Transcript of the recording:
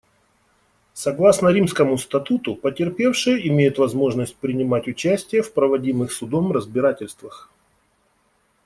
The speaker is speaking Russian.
Согласно Римскому статуту, потерпевшие имеют возможность принимать участие в проводимых Судом разбирательствах.